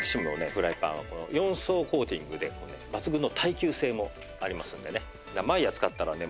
フライパンは４層コーティングで抜群の耐久性もありますのでね。